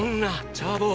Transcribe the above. チャー坊！